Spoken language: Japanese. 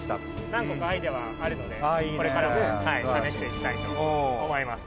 何個かアイデアはあるのでこれからも試していきたいと思います。